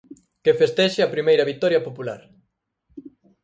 Que festexe a primeira vitoria popular.